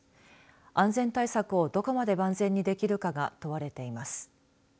安全対策をどこまで万全にできるかが問われています。